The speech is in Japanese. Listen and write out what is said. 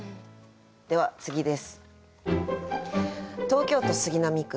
では次です。